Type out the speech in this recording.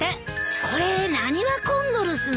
これ浪花コンドルスの。